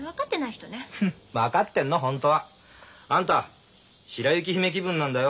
フンッ分かってんのホントは。あんた白雪姫気分なんだよ。